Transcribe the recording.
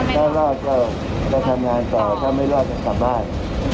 ถ้ารอดก็ทำงานต่อถ้าไม่รอดก็กลับบ้าน